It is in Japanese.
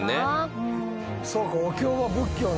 そうか。